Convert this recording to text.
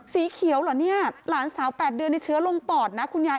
สีเขียวเหรอเนี่ยหลานสาว๘เดือนในเชื้อลงปอดนะคุณยาย